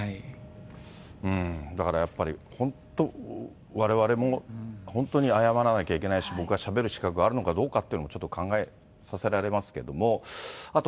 だからやっぱり、本当、われわれも本当に謝らなきゃいけないし、僕はしゃべる資格があるのかどうかというのもちょっと考えさせられますけれども。